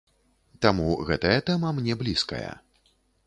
Таму гэтая тэма мне блізкая.